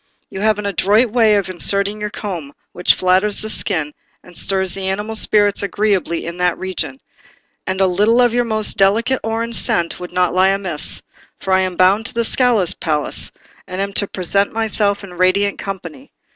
You have an adroit way of inserting your comb, which flatters the skin, and stirs the animal spirits agreeably in that region; and a little of your most delicate orange scent would not lie amiss, for I am bound to the Scala palace, and am to present myself in radiant company.